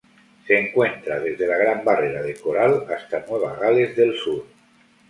Se encuentra desde la Gran Barrera de Coral hasta Nueva Gales del Sur.